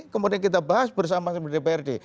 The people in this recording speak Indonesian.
kemudian kita bahas bersama dprd